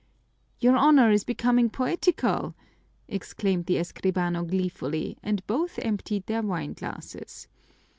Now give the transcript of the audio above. "Your Honor is becoming poetical!" exclaimed the escribano gleefully, and both emptied their wine glasses.